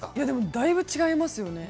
だいぶ違いますよね。